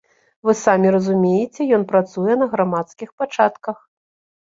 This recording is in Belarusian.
Вы самі разумееце, ён працуе на грамадскіх пачатках.